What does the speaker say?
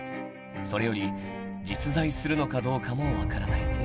それより実在するのかどうかも分からない